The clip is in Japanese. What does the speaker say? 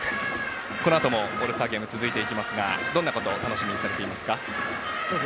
このあともオールスターゲーム続いていきますがどんなことを楽しみにしてますか？